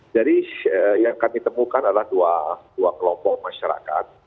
jadi yang kami temukan adalah dua kelompok masyarakat